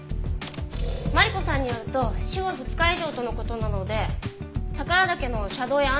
マリコさんによると死後２日以上との事なので宝良岳の車道や案内所にあるカメラを